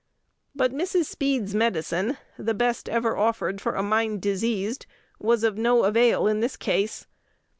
But Mrs. Speed's medicine, the best ever offered for a mind diseased, was of no avail in this case.